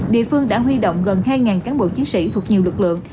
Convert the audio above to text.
địa phương đã huy động gần hai cán bộ chiến sĩ thuộc nhiều lực lượng